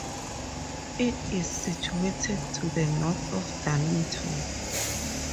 It is situated to the north of Darlington.